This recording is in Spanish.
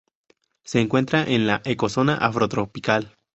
Se encuentra en la ecozona Afrotropical.